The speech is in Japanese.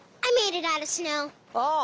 ああ。